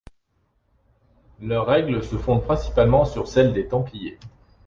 Leur règle se fonde principalement sur celle des Templiers.